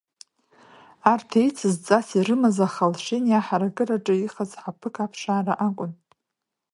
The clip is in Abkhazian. Арҭ еицыз дҵас ирымаз Ахалшени аҳаракыраҿы иҟаз ҳаԥык аԥшаара акәын.